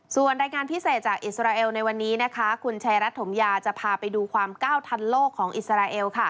ส่วนรายงานพิเศษจากอิสราเอลในวันนี้คุณชายรัฐถมยาจะพาไปดูความก้าวทันโลกของอิสราเอล